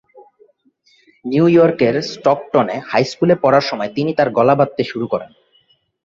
New ইয়র্কের স্টকটনে high স্কুলে পড়ার সময় তিনি তার গলা বাঁধতে শুরু করেন।